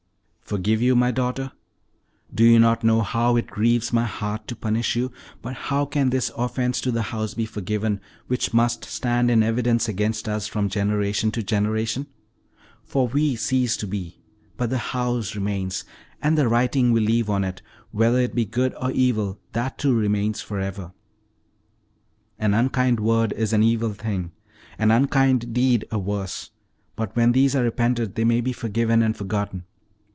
"Forgive you, my daughter? Do you not know how it grieves my heart to punish you; but how can this offense to the house be forgiven, which must stand in evidence against us from generation to generation? For we cease to be, but the house remains; and the writing we leave on it, whether it be good or evil, that too remains for ever. An unkind word is an evil thing, an unkind deed a worse, but when these are repented they may be forgiven and forgotten.